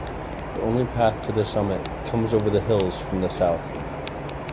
The only path to the summit comes over the hills from the south.